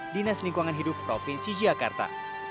dinas lingkungan hidup provinsi jakarta